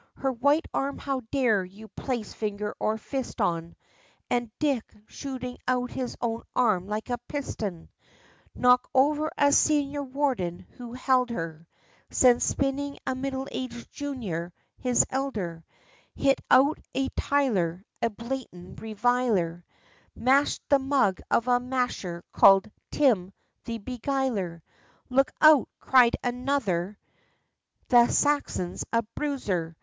Her white arm how dare you place finger or fist on?' And Dick, shooting out his own arm like a piston, Knock'd over a senior warden who held her; Sent spinning a middle aged junior his elder, Hit out at a tyler, A blatant reviler, Mash'd the mug of a masher call'd 'Tim' the Beguiler; 'Look out!' cried another, 'The Saxon's a bruiser!'